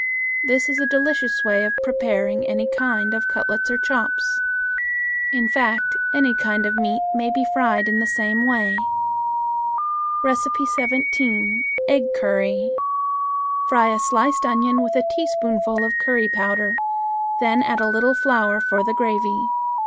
This is a delicious way of preparing any kind of cutlets or chops. In fact, any kind of meat may be fried in the same way. 17. Egg Curry. Fry a sliced onion with a teaspoonful of curry powder; then add a little flour for the gravy.